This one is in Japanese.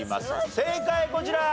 正解こちら。